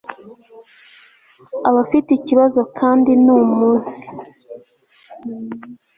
abafite ikibazo kandi numuze